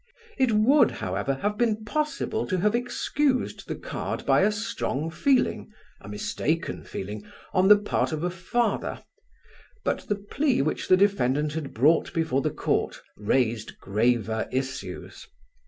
It would, however, have been possible to have excused the card by a strong feeling, a mistaken feeling, on the part of a father, but the plea which the defendant had brought before the Court raised graver issues.